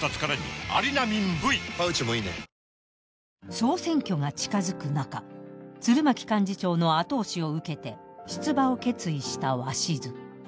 ［総選挙が近づく中鶴巻幹事長の後押しを受けて出馬を決意した鷲津。］